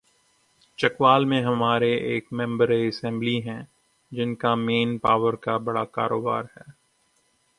چکوال میں ہمارے ایک ممبر اسمبلی ہیں‘ جن کا مین پاور کا بڑا کاروبار ہے۔